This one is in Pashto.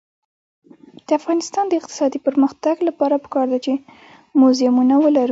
د افغانستان د اقتصادي پرمختګ لپاره پکار ده چې موزیمونه ولرو.